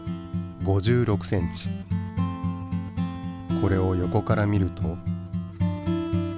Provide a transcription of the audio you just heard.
これを横から見ると。